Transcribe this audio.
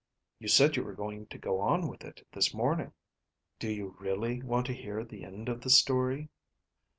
"You said you were going to go on with it this morning." "Do you really want to hear the end of the story?"